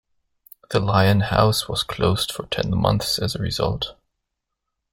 The Lion House was closed for ten months as a result.